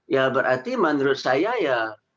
ya berarti menurut saya ya